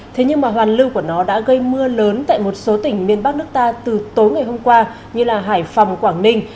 thế nhưng mà hoàn lưu của nó đã gây mưa lớn tại một số tỉnh miền bắc nước ta từ tối ngày hôm qua như hải phòng quảng ninh